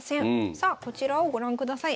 さあこちらをご覧ください。